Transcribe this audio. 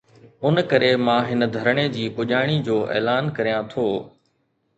ان ڪري مان هن ڌرڻي جي پڄاڻي جو اعلان ڪريان ٿو.